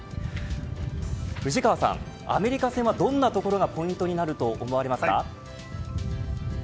藤川さん、アメリカ戦はどんなところがポイントになると思われますか。